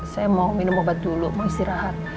saya mau minum obat dulu mau istirahat